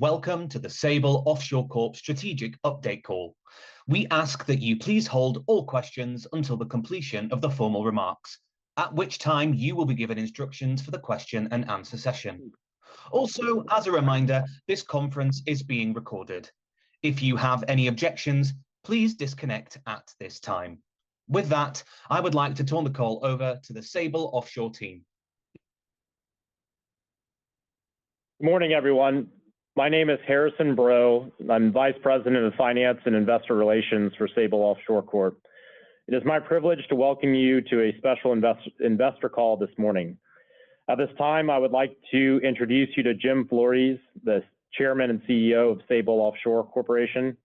Welcome to the Sable Offshore Corp strategic update call. We ask that you please hold all questions until the completion of the formal remarks, at which time you will be given instructions for the question-and-answer session. Also, as a reminder, this conference is being recorded. If you have any objections, please disconnect at this time. With that, I would like to turn the call over to the Sable Offshore team. Good morning, everyone. My name is Harrison Breaud. I'm Vice President of Finance and Investor Relations for Sable Offshore Corp. It is my privilege to welcome you to a special investor call this morning. At this time, I would like to introduce you to Jim Flores, the Chairman and CEO of Sable Offshore Corporation,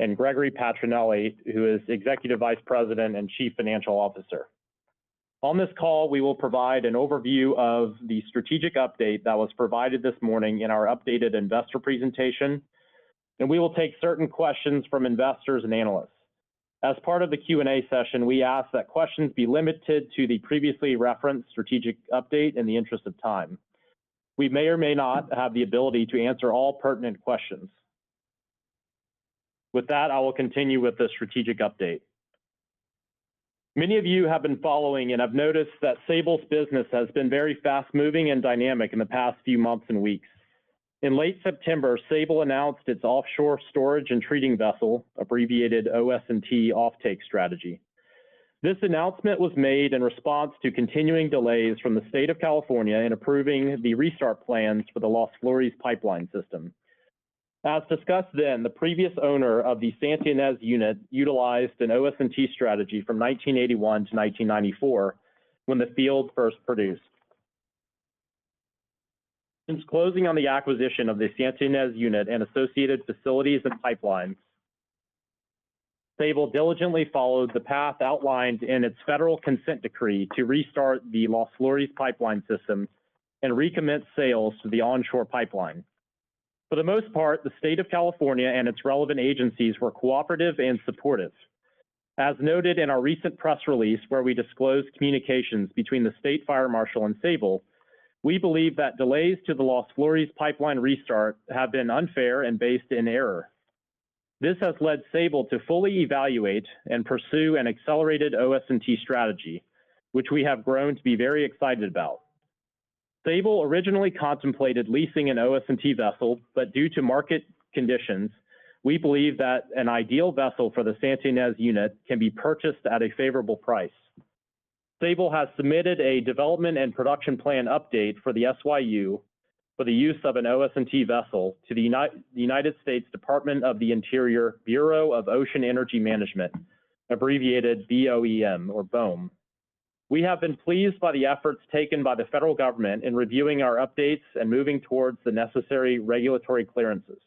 and Gregory Patrinely, who is Executive Vice President and Chief Financial Officer. On this call, we will provide an overview of the strategic update that was provided this morning in our updated investor presentation, and we will take certain questions from investors and analysts. As part of the Q&A session, we ask that questions be limited to the previously referenced strategic update in the interest of time. We may or may not have the ability to answer all pertinent questions. With that, I will continue with the strategic update. Many of you have been following, and I've noticed that Sable's business has been very fast-moving and dynamic in the past few months and weeks. In late September, Sable announced its offshore storage and treating vessel, abbreviated OS&T, offtake strategy. This announcement was made in response to continuing delays from the state of California in approving the restart plans for the Las Flores pipeline system. As discussed then, the previous owner of the Santa Ynez unit utilized an OS&T strategy from 1981 to 1994 when the field first produced. Since closing on the acquisition of the Santa Ynez unit and associated facilities and pipelines, Sable diligently followed the path outlined in its federal consent decree to restart the Las Flores pipeline system and recommence sales to the onshore pipeline. For the most part, the state of California and its relevant agencies were cooperative and supportive. As noted in our recent press release, where we disclosed communications between the state fire marshal and Sable, we believe that delays to the Las Flores pipeline restart have been unfair and based in error. This has led Sable to fully evaluate and pursue an accelerated OS&T strategy, which we have grown to be very excited about. Sable originally contemplated leasing an OS&T vessel, but due to market conditions, we believe that an ideal vessel for the Santa Ynez Unit can be purchased at a favorable price. Sable has submitted a development and production plan update for the SYU for the use of an OS&T vessel to the United States Department of the Interior Bureau of Ocean Energy Management, abbreviated BOEM or BOEM. We have been pleased by the efforts taken by the federal government in reviewing our updates and moving towards the necessary regulatory clearances.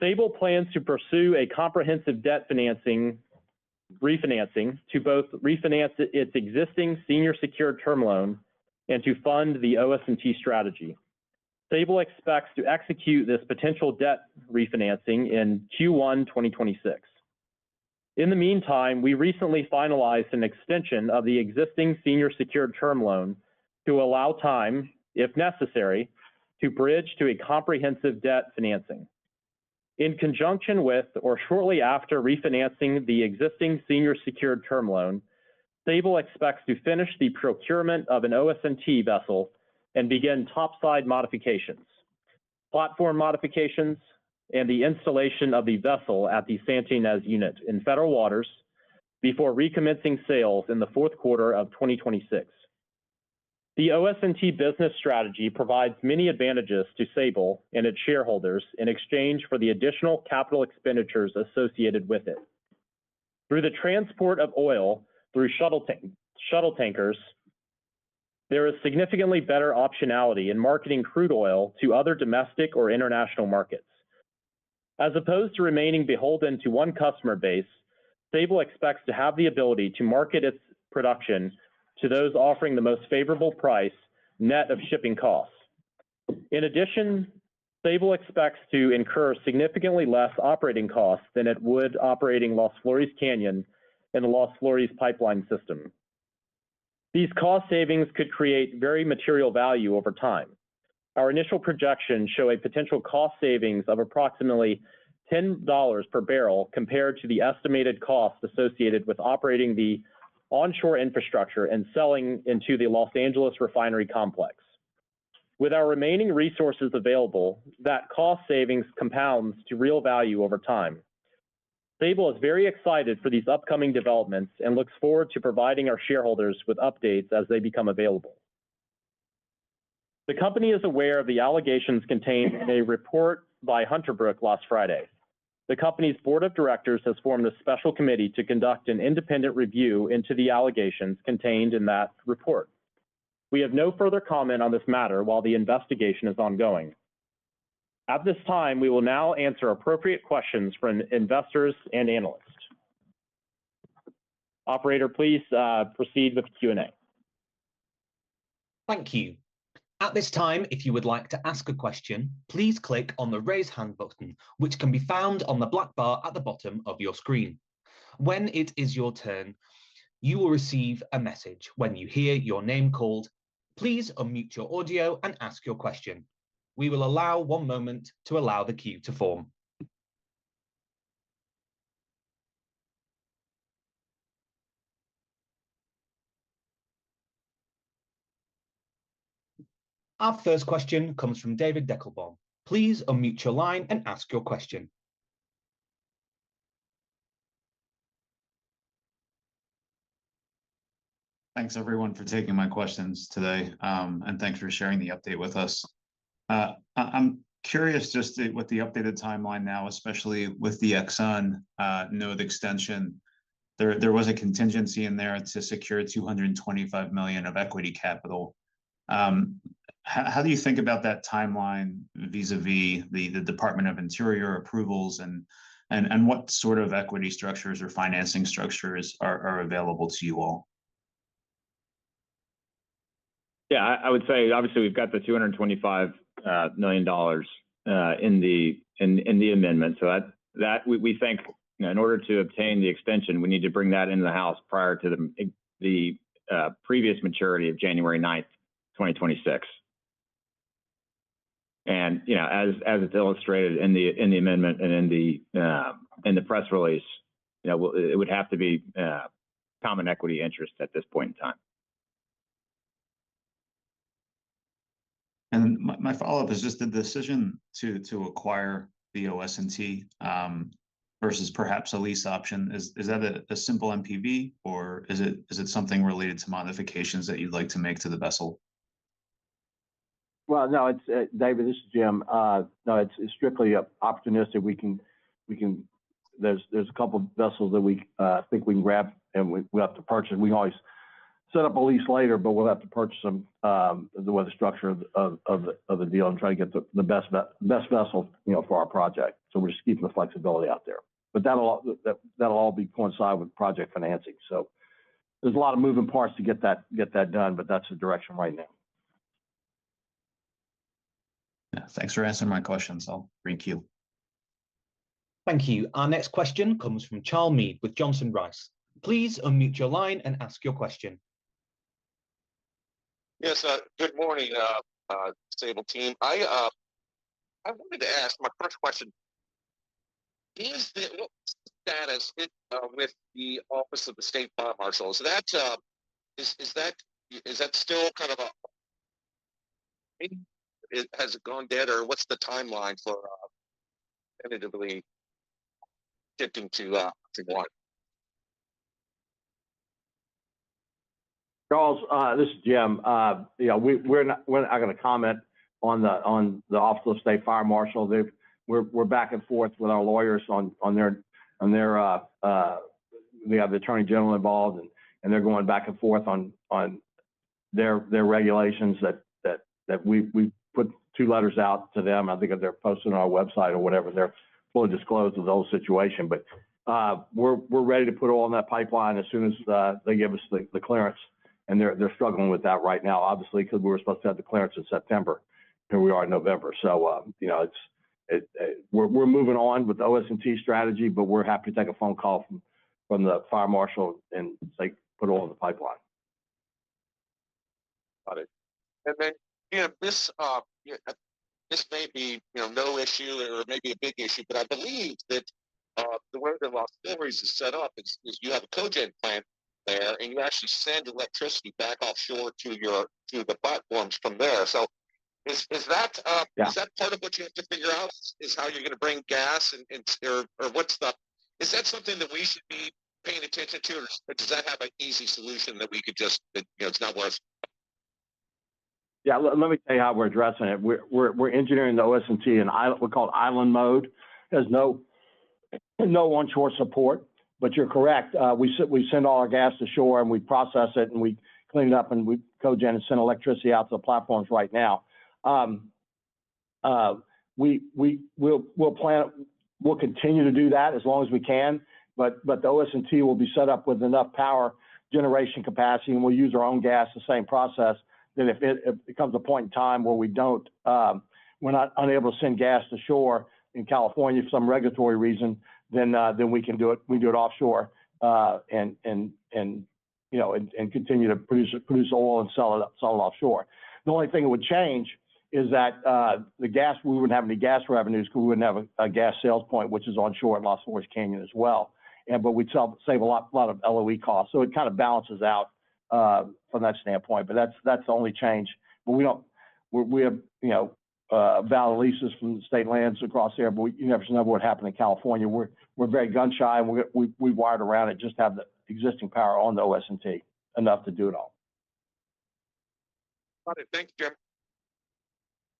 Sable plans to pursue a comprehensive debt refinancing to both refinance its existing senior secured term loan and to fund the OS&T strategy. Sable expects to execute this potential debt refinancing in Q1 2026. In the meantime, we recently finalized an extension of the existing senior secured term loan to allow time, if necessary, to bridge to a comprehensive debt financing. In conjunction with, or shortly after refinancing the existing senior secured term loan, Sable expects to finish the procurement of an OS&T vessel and begin topside modifications, platform modifications, and the installation of the vessel at the Santa Ynez Unit in federal waters before recommencing sales in the fourth quarter of 2026. The OS&T business strategy provides many advantages to Sable and its shareholders in exchange for the additional capital expenditures associated with it. Through the transport of oil through shuttle tankers, there is significantly better optionality in marketing crude oil to other domestic or international markets. As opposed to remaining beholden to one customer base, Sable expects to have the ability to market its production to those offering the most favorable price net of shipping costs. In addition, Sable expects to incur significantly less operating costs than it would operating Las Flores Canyon and the Las Flores pipeline system. These cost savings could create very material value over time. Our initial projections show a potential cost savings of approximately $10 per barrel compared to the estimated costs associated with operating the onshore infrastructure and selling into the Los Angeles refinery complex. With our remaining resources available, that cost savings compounds to real value over time. Sable is very excited for these upcoming developments and looks forward to providing our shareholders with updates as they become available. The company is aware of the allegations contained in a report by Hunterbrook last Friday. The company's board of directors has formed a special committee to conduct an independent review into the allegations contained in that report. We have no further comment on this matter while the investigation is ongoing. At this time, we will now answer appropriate questions from investors and analysts. Operator, please proceed with Q&A. Thank you. At this time, if you would like to ask a question, please click on the raise hand button, which can be found on the black bar at the bottom of your screen. When it is your turn, you will receive a message when you hear your name called. Please unmute your audio and ask your question. We will allow one moment to allow the queue to form. Our first question comes from David Deckelbaum. Please unmute your line and ask your question. Thanks, everyone, for taking my questions today, and thanks for sharing the update with us. I'm curious just with the updated timeline now, especially with the Exxon loan extension, there was a contingency in there to secure $225 million of equity capital. How do you think about that timeline vis-à-vis the Department of the Interior approvals, and what sort of equity structures or financing structures are available to you all? Yeah, I would say, obviously, we've got the $225 million in the amendment. So we think in order to obtain the extension, we need to bring that into the House prior to the previous maturity of January 9, 2026. And as it's illustrated in the amendment and in the press release, it would have to be common equity interest at this point in time. My follow-up is just the decision to acquire the OS&T versus perhaps a lease option, is that a simple MPV, or is it something related to modifications that you'd like to make to the vessel? Well, no, it's David, this is Jim. No, it's strictly opportunistic. There's a couple of vessels that we think we can grab, and we'll have to purchase. We can always set up a lease later, but we'll have to purchase them with the structure of the deal and try to get the best vessel for our project. So we're just keeping the flexibility out there. But that'll all coincide with project financing. So there's a lot of moving parts to get that done, but that's the direction right now. Thanks for answering my questions. I'll bring Q. Thank you. Our next question comes from Charles Meade with Johnson Rice. Please unmute your line and ask your question. Yes, good morning, Sable team. I wanted to ask my first question. What's the status with the Office of the State Fire Marshal? Is that still kind of, has it gone dead, or what's the timeline for tentatively shifting to one? Charles, this is Jim. We're not going to comment on the Office of the State Fire Marshal. We're back and forth with our lawyers on that. We have the attorney general involved, and they're going back and forth on their regulations that we put two letters out to them. I think they're posted on our website or whatever. They're fully disclosed with the whole situation. But we're ready to put it all in that pipeline as soon as they give us the clearance. And they're struggling with that right now, obviously, because we were supposed to have the clearance in September. Here we are in November. So we're moving on with the OS&T strategy, but we're happy to take a phone call from the fire marshal and say, "Put it all in the pipeline. Got it. And then this may be no issue or maybe a big issue, but I believe that the way that Los Flores is set up is you have a cogen plant there, and you actually send electricity back offshore to the platforms from there, so is that part of what you have to figure out, is how you're going to bring gas, or what's the, is that something that we should be paying attention to, or does that have an easy solution that we could just, it's not worth? Yeah, let me tell you how we're addressing it. We're engineering the OS&T in what's called island mode. There's no onshore support. But you're correct. We send all our gas to shore, and we process it, and we clean it up, and we cogen and send electricity out to the platforms right now. We'll continue to do that as long as we can, but the OS&T will be set up with enough power generation capacity, and we'll use our own gas, the same process. Then if it comes a point in time where we're not unable to send gas to shore in California for some regulatory reason, then we can do it. We can do it offshore and continue to produce oil and sell it offshore. The only thing it would change is that the gas we wouldn't have any gas revenues because we wouldn't have a gas sales point, which is onshore at Las Flores Canyon as well. But we'd save a lot of LOE costs. So it kind of balances out from that standpoint. But that's the only change. But we have valid leases from the state lands across there, but you never know what would happen in California. We're very gun shy, and we've wired around it just to have the existing power on the OS&T enough to do it all. Got it. Thank you, Jim.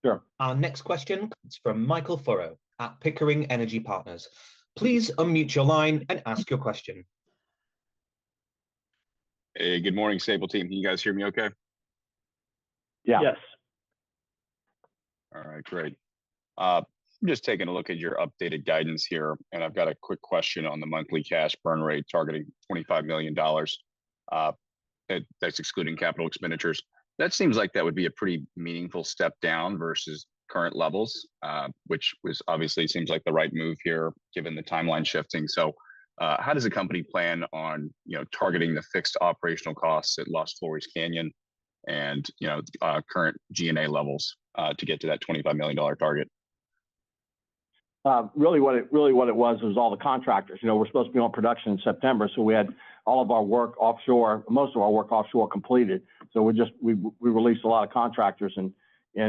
Sure. Our next question comes from Michael Furrow at Pickering Energy Partners. Please unmute your line and ask your question. Hey, good morning, Sable team. Can you guys hear me okay? Yeah. Yes. All right, great. I'm just taking a look at your updated guidance here, and I've got a quick question on the monthly cash burn rate targeting $25 million, that's excluding capital expenditures. That seems like that would be a pretty meaningful step down versus current levels, which obviously seems like the right move here given the timeline shifting. So how does the company plan on targeting the fixed operational costs at Las Flores Canyon and current G&A levels to get to that $25 million target? Really, what it was was all the contractors. We're supposed to be on production in September, so we had all of our work offshore, most of our work offshore completed. We released a lot of contractors at the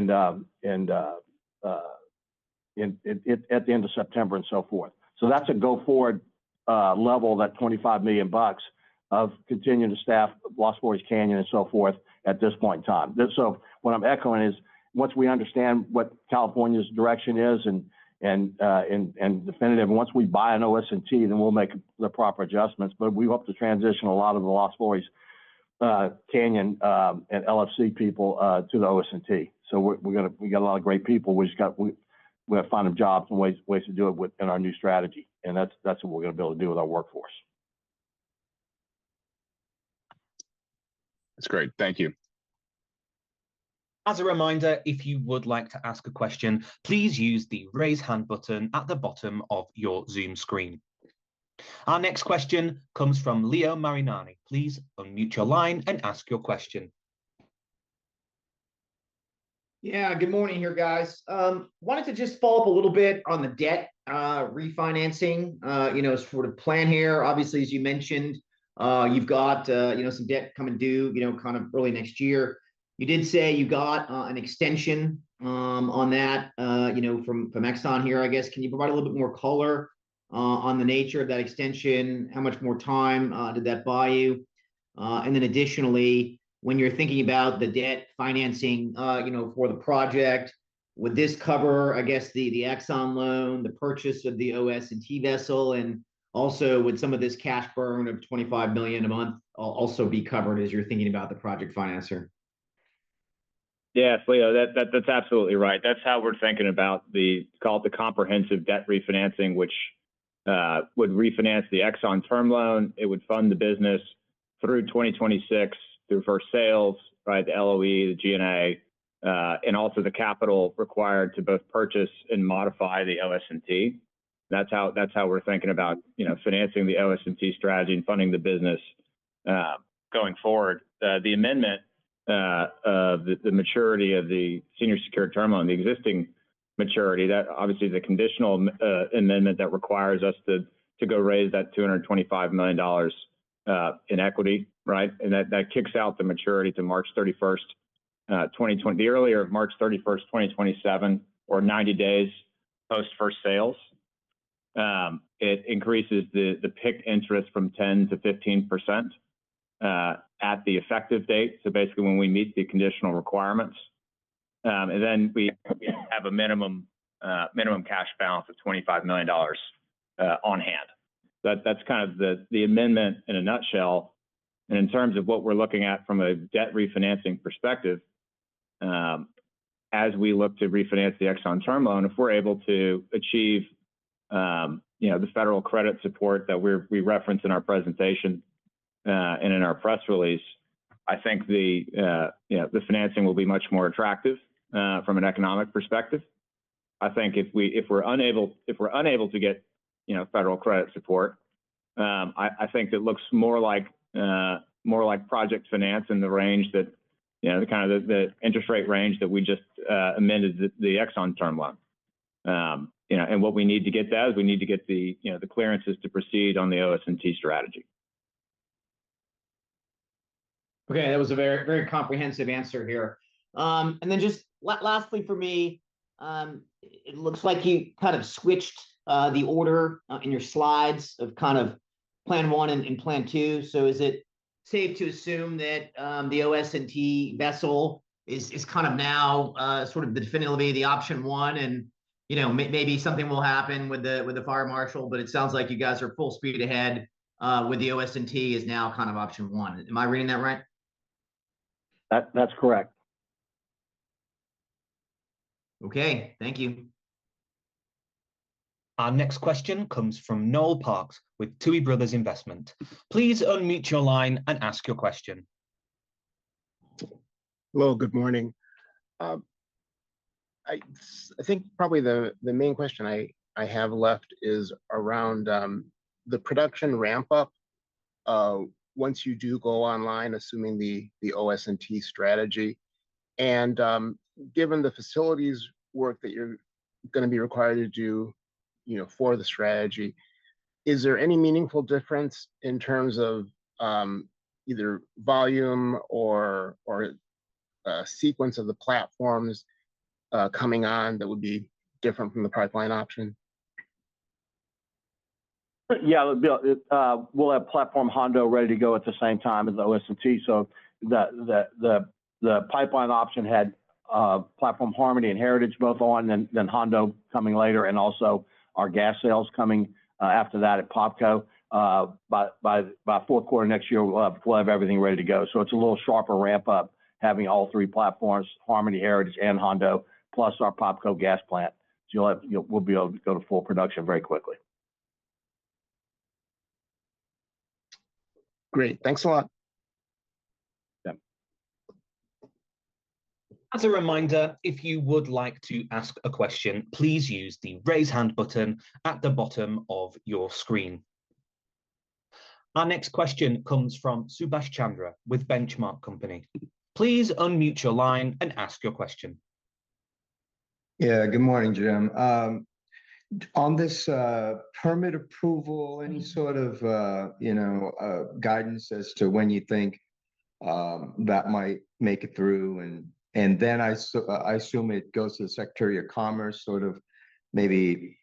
end of September and so forth. That's a go-forward level, that $25 million of continuing to staff Las Flores Canyon and so forth at this point in time. What I'm echoing is once we understand what California's direction is and definitive, once we buy an OS&T, then we'll make the proper adjustments. We hope to transition a lot of the Las Flores Canyon and LFC people to the OS&T. We've got a lot of great people. We've got to find them jobs and ways to do it in our new strategy. That's what we're going to be able to do with our workforce. That's great. Thank you. As a reminder, if you would like to ask a question, please use the raise hand button at the bottom of your Zoom screen. Our next question comes from Leo Mariani. Please unmute your line and ask your question. Yeah, good morning here, guys. Wanted to just follow up a little bit on the debt refinancing sort of plan here. Obviously, as you mentioned, you've got some debt come due kind of early next year. You did say you got an extension on that from Exxon here, I guess. Can you provide a little bit more color on the nature of that extension? How much more time did that buy you? And then additionally, when you're thinking about the debt financing for the project, would this cover, I guess, the Exxon loan, the purchase of the OS&T vessel, and also would some of this cash burn of $25 million a month also be covered as you're thinking about the project financer? Yes, Leo, that's absolutely right. That's how we're thinking about the comprehensive debt refinancing, which would refinance the Exxon term loan. It would fund the business through 2026 through first sales, right, the LOE, the G&A, and also the capital required to both purchase and modify the OS&T. That's how we're thinking about financing the OS&T strategy and funding the business going forward. The amendment of the maturity of the senior secured term loan, the existing maturity, that obviously is a conditional amendment that requires us to go raise that $225 million in equity, right? And that kicks out the maturity to March 31, 2020, the earlier of March 31, 2027, or 90 days post-first sales. It increases the PIK interest from 10%-15% at the effective date, so basically when we meet the conditional requirements. We have a minimum cash balance of $25 million on hand. That's kind of the amendment in a nutshell. In terms of what we're looking at from a debt refinancing perspective, as we look to refinance the Exxon term loan, if we're able to achieve the federal credit support that we referenced in our presentation and in our press release, I think the financing will be much more attractive from an economic perspective. I think if we're unable to get federal credit support, I think it looks more like project finance in the range that kind of the interest rate range that we just amended the Exxon term loan. What we need to get that is we need to get the clearances to proceed on the OS&T strategy. Okay, that was a very comprehensive answer here. And then just lastly for me, it looks like you kind of switched the order in your slides of kind of plan one and plan two. So is it safe to assume that the OS&T vessel is kind of now sort of definitively the option one and maybe something will happen with the fire marshal, but it sounds like you guys are full speed ahead with the OS&T as now kind of option one? Am I reading that right? That's correct. Okay, thank you. Our next question comes from Noel Parks with Tuohy Brothers Investment. Please unmute your line and ask your question. Hello, good morning. I think probably the main question I have left is around the production ramp-up once you do go online, assuming the OS&T strategy. And given the facilities work that you're going to be required to do for the strategy, is there any meaningful difference in terms of either volume or sequence of the platforms coming on that would be different from the pipeline option? Yeah, we'll have Platform Hondo ready to go at the same time as OS&T, so the pipeline option had Platform Harmony and Heritage both on, then Hondo coming later, and also our gas sales coming after that at POPCO. By fourth quarter next year, we'll have everything ready to go, so it's a little sharper ramp-up having all three platforms, Harmony, Heritage, and Hondo, plus our POPCO gas plant, so we'll be able to go to full production very quickly. Great. Thanks a lot. As a reminder, if you would like to ask a question, please use the raise hand button at the bottom of your screen. Our next question comes from Subash Chandra with Benchmark Company. Please unmute your line and ask your question. Yeah, good morning, Jim. On this permit approval, any sort of guidance as to when you think that might make it through? And then I assume it goes to the Secretary of Commerce, sort of maybe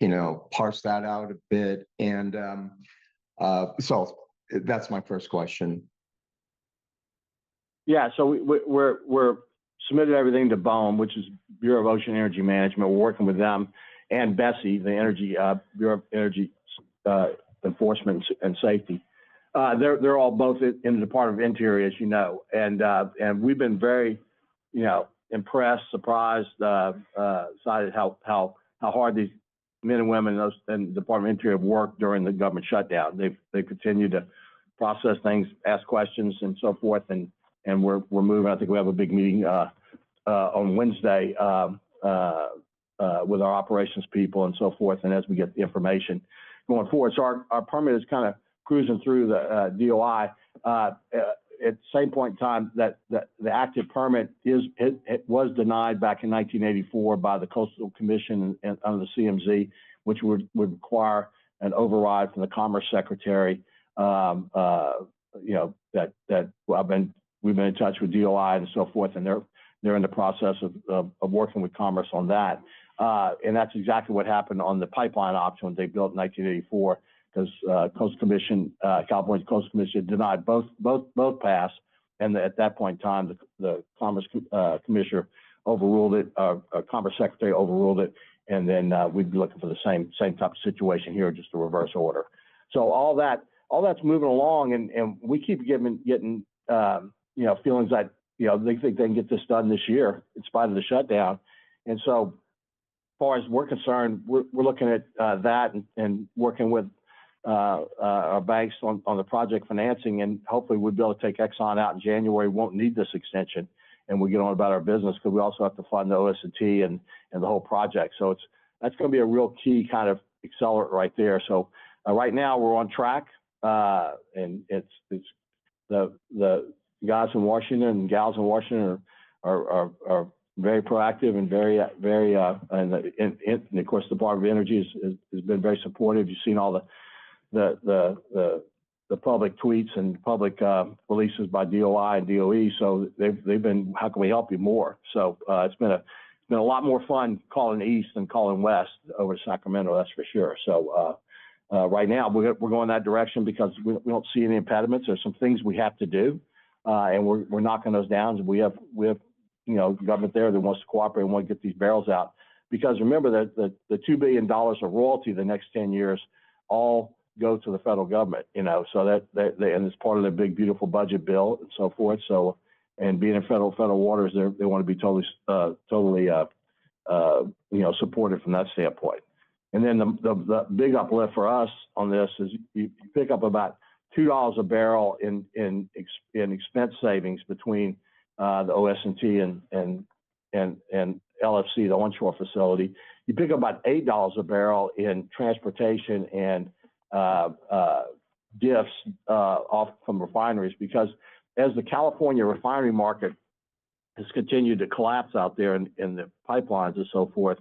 parse that out a bit. And so that's my first question. Yeah, so we've submitted everything to BOEM, which is Bureau of Ocean Energy Management. We're working with them and BESI, the Bureau of Safety and Environmental Enforcement. They're all both in the Department of the Interior, as you know. And we've been very impressed, surprised, excited how hard these men and women in the Department of the Interior have worked during the government shutdown. They've continued to process things, ask questions, and so forth. And we're moving. I think we have a big meeting on Wednesday with our operations people and so forth, and as we get the information going forward. So our permit is kind of cruising through the DOI. At the same point in time, the active permit was denied back in 1984 by the Coastal Commission under the CMZ, which would require an override from the Commerce Secretary. That we've been in touch with DOI and so forth. And they're in the process of working with Commerce on that. And that's exactly what happened on the pipeline option when they built in 1984 because California's Coastal Commission denied both paths. And at that point in time, the Commerce Commissioner overruled it, or Commerce Secretary overruled it. And then we'd be looking for the same type of situation here, just the reverse order. So all that's moving along, and we keep getting feelings that they think they can get this done this year in spite of the shutdown. And so as far as we're concerned, we're looking at that and working with our banks on the project financing. And hopefully, we'll be able to take Exxon out in January. We won't need this extension, and we'll get on with our business because we also have to fund the OS&T and the whole project. So that's going to be a real key kind of accelerator right there. So right now, we're on track. And the guys in Washington and gals in Washington are very proactive and very—and of course, the Department of Energy has been very supportive. You've seen all the public tweets and public releases by DOI and DOE. So they've been, "How can we help you more?" So it's been a lot more fun calling east than calling west over Sacramento, that's for sure. So right now, we're going in that direction because we don't see any impediments. There are some things we have to do, and we're knocking those down. We have government there that wants to cooperate and want to get these barrels out. Because remember, the $2 billion of royalty the next 10 years all go to the federal government. It's part of the big, beautiful budget bill and so forth. Being in federal waters, they want to be totally supported from that standpoint. The big uplift for us on this is you pick up about $2 a barrel in expense savings between the OS&T and LFC, the onshore facility. You pick up about $8 a barrel in transportation and lifts off from refineries because as the California refinery market has continued to collapse out there in the pipelines and so forth,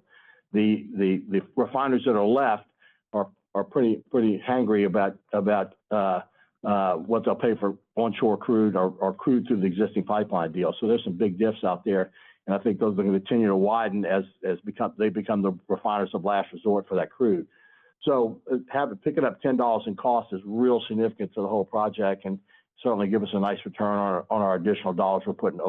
the refineries that are left are pretty hangry about what they'll pay for onshore crude or crude through the existing pipeline deal. There's some big lifts out there, and I think those are going to continue to widen as they become the refiners of last resort for that crude. Picking up $10 in cost is real significant to the whole project and certainly give us a nice return on our additional dollars we're putting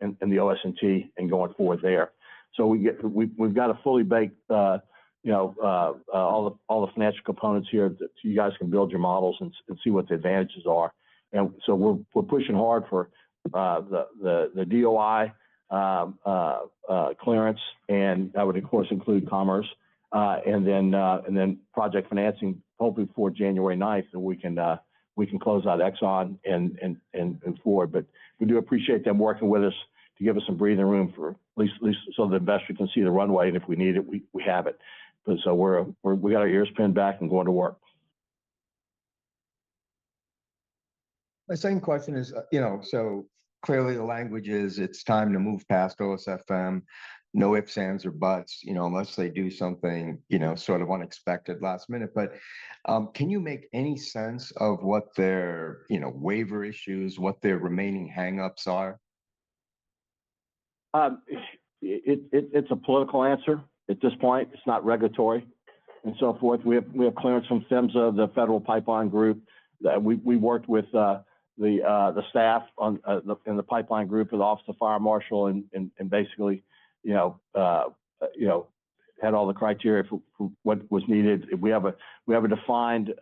in the OS&T and going forward there. We've got a fully baked, all the financial components here so you guys can build your models and see what the advantages are. We're pushing hard for the DOI clearance, and that would, of course, include commerce. Then project financing, hopefully before January 9th, then we can close out Exxon and forward. We do appreciate them working with us to give us some breathing room so the investor can see the runway, and if we need it, we have it. We've got our ears pinned back and going to work. My same question is, so clearly the language is it's time to move past OSFM, no ifs, ands, or buts unless they do something sort of unexpected last minute. But can you make any sense of what their waiver issues, what their remaining hang-ups are? It's a political answer at this point. It's not regulatory and so forth. We have clearance from FEMSA, the federal pipeline group. We worked with the staff in the pipeline group, the Office of Fire Marshal, and basically had all the criteria for what was needed. We have a defined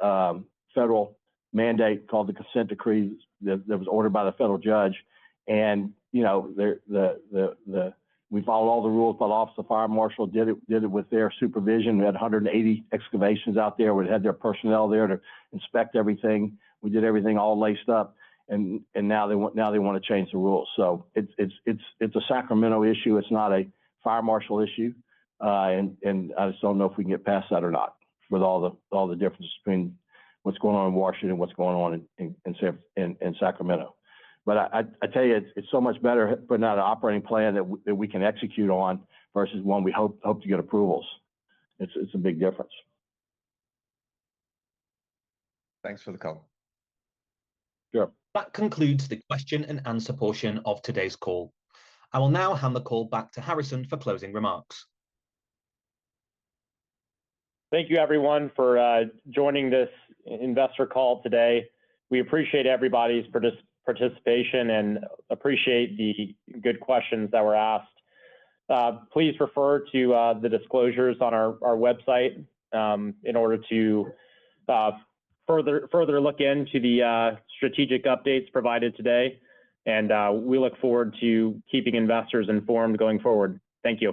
federal mandate called the consent decree that was ordered by the federal judge. And we follow all the rules, but the Office of Fire Marshal did it with their supervision. We had 180 excavations out there. We had their personnel there to inspect everything. We did everything all laced up. And now they want to change the rules. So it's a Sacramento issue. It's not a fire marshal issue. And I just don't know if we can get past that or not with all the differences between what's going on in Washington and what's going on in Sacramento. But I tell you, it's so much better putting out an operating plan that we can execute on versus one we hope to get approvals. It's a big difference. Thanks for the call. Sure. That concludes the question and answer portion of today's call. I will now hand the call back to Harrison for closing remarks. Thank you, everyone, for joining this investor call today. We appreciate everybody's participation and appreciate the good questions that were asked. Please refer to the disclosures on our website in order to further look into the strategic updates provided today. We look forward to keeping investors informed going forward. Thank you.